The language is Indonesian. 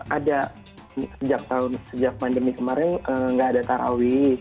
ada sejak pandemi kemarin nggak ada tarawih